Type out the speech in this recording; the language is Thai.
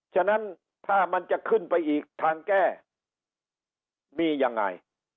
ฉะนั้นถ้ามันจะขึ้นไปอีกทางแก้มียังไง